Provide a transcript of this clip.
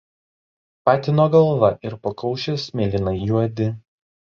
Patino galva ir pakaušis mėlynai juodi.